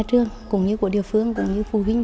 trong đó chỉ riêng huyện bố trạch